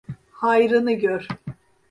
Hayrını gör!